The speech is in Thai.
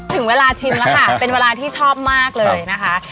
ถึงเวลาชิมแล้วค่ะเป็นเวลาที่ชอบมากเลยนะคะ